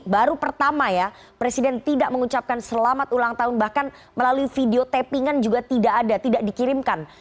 baru pertama ya presiden tidak mengucapkan selamat ulang tahun bahkan melalui video tappingan juga tidak ada tidak dikirimkan